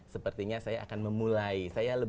sepertinya saya akan memulai